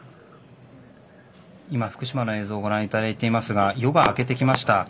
今、福島の映像をご覧いただいていますが夜が明けてきました。